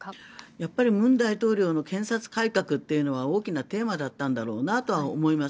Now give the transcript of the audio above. やっぱり文大統領の検察改革というのは大きなテーマだったんだろうなと思います。